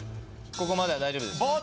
ここまでは大丈夫ですか？